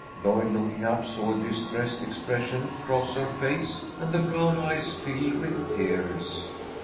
Lloyd, looking up, saw a distressed expression cross her face and the brown eyes fill with tears.